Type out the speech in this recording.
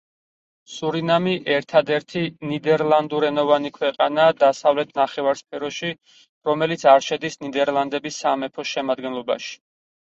სურინამი ერთადერთი ნიდერლანდურენოვანი ქვეყანაა დასავლეთ ნახევარსფეროში, რომელიც არ შედის ნიდერლანდების სამეფოს შემადგენლობაში.